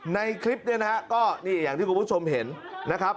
ในคลิปนี้นะครับก็อย่างที่คุณผู้ชมเห็นนะครับ